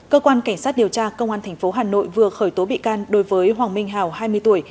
cơ quan cảnh sát điều tra công an tp hà nội vừa khởi tố bị can đối với hoàng minh hào hai mươi tuổi